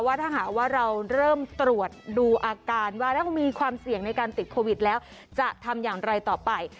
ถ้าหากว่าเราเริ่มตรวจดูอาการว่าถ้ามีความเสี่ยงในการติดโควิดแล้วจะทำอย่างไรต่อไป